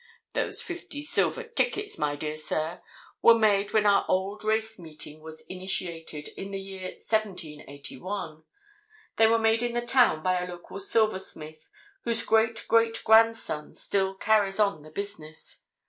Those fifty silver tickets, my dear sir, were made when our old race meeting was initiated, in the year 1781. They were made in the town by a local silversmith, whose great great grandson still carries on the business.